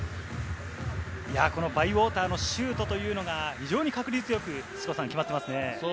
バイウォーターのシュートというのが非常に確率よく決まっていますね。